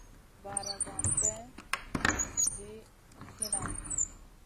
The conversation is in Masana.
Vaara van may ŋa ɗi hinan nu.